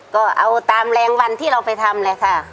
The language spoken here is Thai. ก็เอาตามแรงวันที่เราไปทำเลยค่ะ